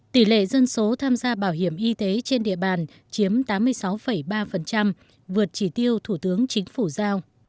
tỷ lệ dân số tham gia bảo hiểm y tế trên địa bàn chiếm tám mươi sáu ba vượt chỉ tiêu thủ tướng chính phủ giao